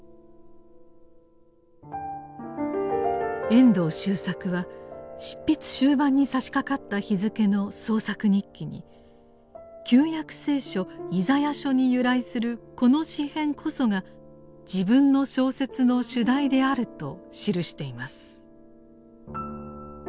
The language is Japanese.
遠藤周作は執筆終盤にさしかかった日付の「創作日記」に旧約聖書「イザヤ書」に由来するこの詩編こそが自分の小説の主題であると記しています。